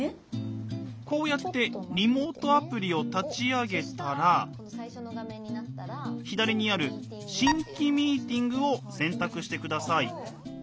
こうやってリモートアプリを立ち上げたら左にある「新規ミーティング」を選択して下さい。